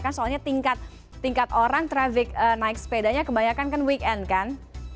dekat orang trafik naik sepedanya kebanyakan kan weekend kan